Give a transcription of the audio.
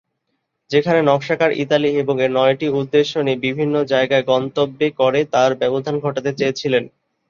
যেখানে নকশাকার ইতালি এবং এর নয়টি উদ্দেশ্য নিয়ে বিভিন্ন যায়গায় গন্তব্যে করে তার ব্যবধান ঘটাতে চেয়েছিলেন।